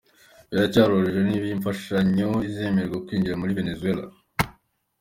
Biracyari urujijo niba iyi mfashanyo izemererwa kwinjira muri Venezuela.